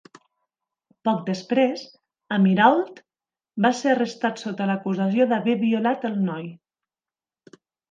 Poc després, Amirault va ser arrestat sota l'acusació d'haver violat al noi.